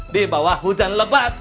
dibawah hujan lebat